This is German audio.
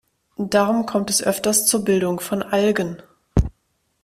Darum kommt es öfters zur Bildung von Algen.